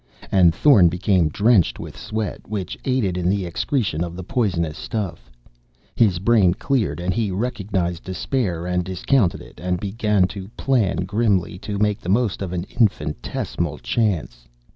And Thorn became drenched with sweat, which aided in the excretion of the poisonous stuff. His brain cleared, and he recognized despair and discounted it and began to plan grimly to make the most of an infinitesimal chance.